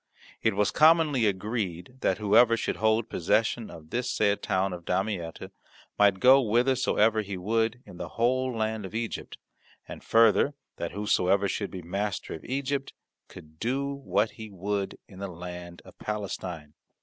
It was commonly agreed that whoever should hold possession of this said town of Damietta might go whithersoever he would in the whole land of Egypt, and further, that whosoever should be master of Egypt could do what he would in the land of Palestine.